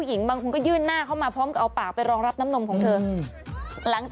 ท่อนบุฟเฟต์นี้ดังสุดเป็นซุปเปอร์สตาร์ตั้งแต่หลัง